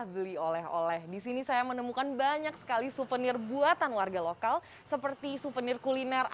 beli oleh oleh disini saya menemukan banyak sekali souvenir buatan warga lokal seperti suvenir kuliner